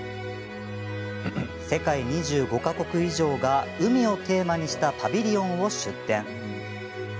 世界２５か国以上が海をテーマにしたパビリオンを出展。